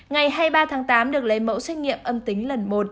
ngày hai mươi ba tháng tám được lấy mẫu xét nghiệm âm tính lần một